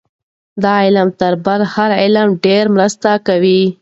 دا علم تر بل هر علم ډېره مرسته کوي.